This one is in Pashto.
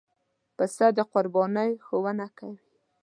پسه د قربانۍ ښوونه کوي.